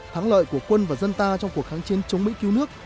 thắng lợi của quân và dân ta trong cuộc kháng chiến chống mỹ cứu nước